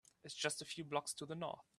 It’s just a few blocks to the North.